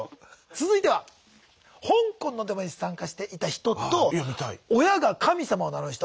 続いては「香港のデモに参加していた人」と「親が“神様”を名乗る人」。